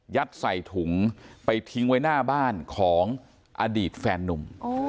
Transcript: ใส่ถุงไปทิ้งไว้หน้าบ้านของอดีตแฟนนุ่ม